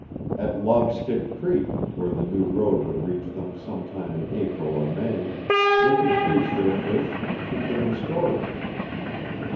At Lobstick Creek, where the new road would reach them sometime in April or May, they could freeze their fish and keep them in storage.